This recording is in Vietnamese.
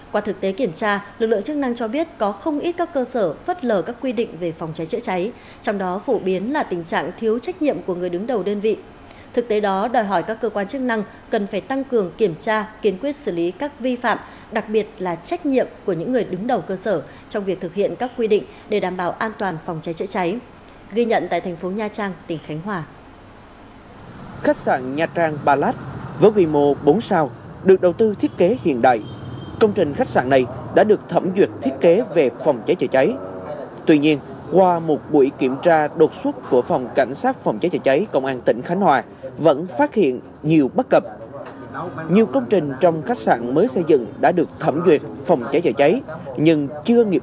cụ thể là từ ý thức và trách nhiệm của người đứng đầu cơ sở vẫn không được khắc phục một cách triệt để